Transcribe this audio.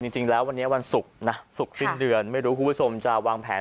จริงแล้ววันนี้วันศุกร์นะศุกร์สิ้นเดือนไม่รู้คุณผู้ชมจะวางแผน